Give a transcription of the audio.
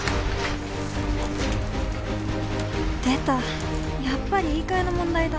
出たやっぱり言い換えの問題だ